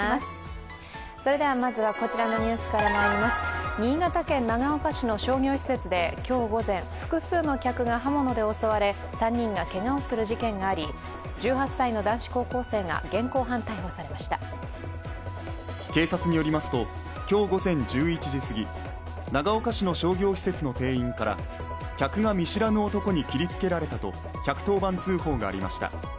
それではまずはこちらのニュースからまいります新潟県長岡市の商業施設で今日午前、複数の客が刃物で襲われ３人がけがをする事件があり警察によりますと、今日午前１１時すぎ長岡市の商業施設の店員から客が見知らぬ男に切りつけられたと１１０番通報がありました。